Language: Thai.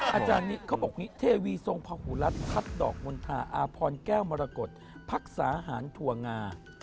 อาจารย์นี้เขาบอกนี้เทวีทรงพระหูรัฐพัดดอกมณฑาอาพรแก้วมรกฏภักษาหารถั่วงา